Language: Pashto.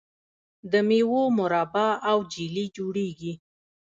د میوو مربا او جیلی جوړیږي.